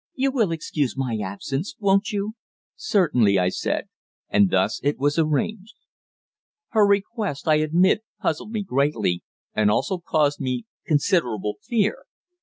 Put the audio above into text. You will excuse my absence, won't you?" "Certainly," I said. And thus it was arranged. Her request, I admit, puzzled me greatly, and also caused me considerable fear.